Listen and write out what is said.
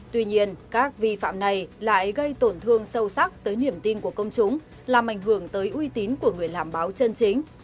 tuy nhiên các vi phạm này lại gây tổn thương sâu sắc tới niềm tin của công chúng làm ảnh hưởng tới uy tín của người làm báo chân chính